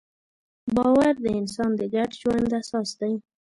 باور د انسان د ګډ ژوند اساس دی.